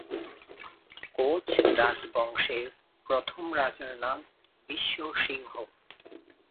Coach রাজবংশের প্রথম রাজার নাম বিশ্ব সিংহ।